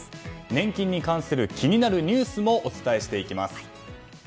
年金に関する、気になるニュースもお伝えしていきます。